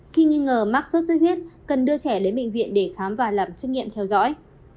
khi nghi ngờ mắc suất huyết cần đưa trẻ đến bệnh viện để khám và làm chức nghiệm theo dõi